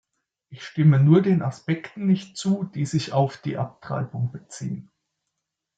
Ich stimme nur den Aspekten nicht zu, die sich auf die Abtreibung beziehen.